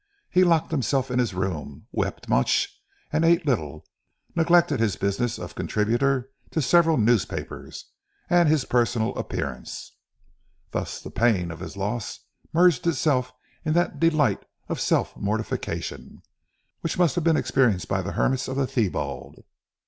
He locked himself in his room, wept much, and ate little; neglected his business of contributor to several newspapers, and his personal appearance. Thus the pain of his loss merged itself in that delight of self mortification, which must have been experienced by the hermits of the Thebiad.